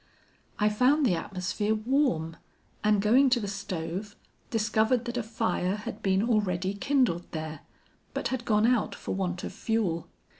I found the atmosphere warm, and going to the stove, discovered that a fire had been already kindled there, but had gone out for want of fuel.